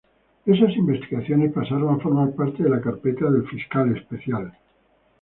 Esas investigaciones pasaron a formar parte de la carpeta del fiscal especial.